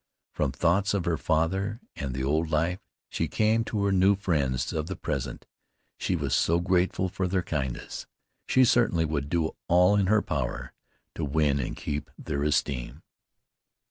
From thoughts of her father, and the old life, she came to her new friends of the present. She was so grateful for their kindness. She certainly would do all in her power to win and keep their esteem.